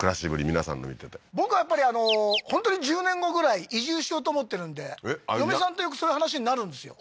皆さんの見てて僕はやっぱり本当に１０年後ぐらい移住しようと思ってるんで嫁さんとよくそういう話になるんですよ